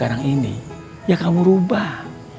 sekarang ini ya kamu rubah